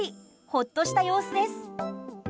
ほっとした様子です。